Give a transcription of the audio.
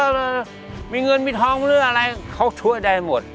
โอ๊ยมามีเงินมีทองมีอะไรเขาช่วยได้หมด